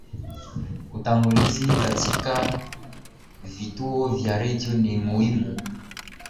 utangulizi katika vituo vya redio ni muhimu